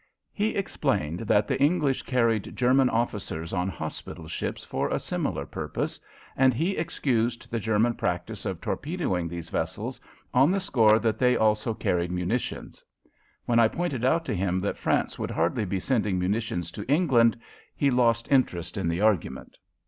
He explained that the English carried German officers on hospital ships for a similar purpose, and he excused the German practice of torpedoing these vessels on the score that they also carried munitions! When I pointed out to him that France would hardly be sending munitions to England, he lost interest in the argument.